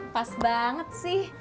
pas banget sih